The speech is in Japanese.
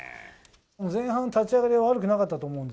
前半、立ち上がりは悪くなかったと思う。